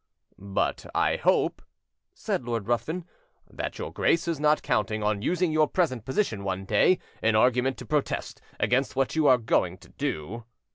"But I hope," said Lord Ruthven, "that your Grace is not counting on using your present position one day in argument to protest against what you are going to do?"